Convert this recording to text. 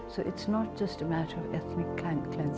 jadi ini bukan hanya masalah penyembuhan etnis